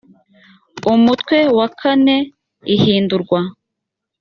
umutwe wa kane ihindurwa